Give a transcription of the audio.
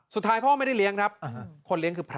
สุดท้ายพ่อไม่ได้เลี้ยงครับคนเลี้ยงคือพระ